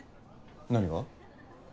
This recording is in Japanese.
何が？